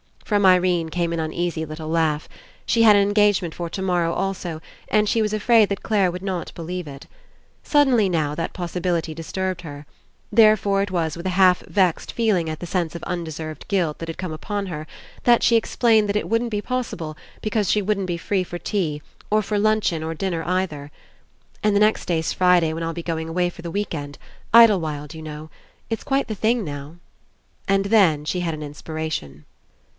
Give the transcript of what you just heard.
From Irene came an uneasy little laugh. She had an engagement for tomorrow also and she was afraid that Clare would not believe It. Suddenly, now, that possibility disturbed her. Therefore It was with a half vexed feeling at the sense of undeserved guilt that had come upon her that she explained that It wouldn't be possible because she wouldn't be free for tea, or for luncheon or dinner either. "And the next day's Friday when I'll be going away for the week end, Idlewlld, you know. It's quite the thing now." And then she had an Inspira* tlon.